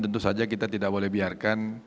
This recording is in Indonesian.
tentu saja kita tidak boleh biarkan